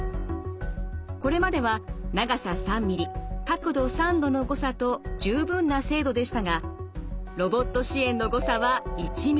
これまでは長さ３ｍｍ角度３度の誤差と十分な精度でしたがロボット支援の誤差は１ｍｍ。